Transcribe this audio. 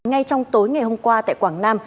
ngay trong tối ngày hôm qua tại quảng nam